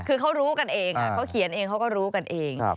คือเขารู้กันเองเขาเขียนเองเขาก็รู้กันเอง